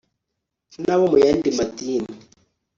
n'abo mu yandi madini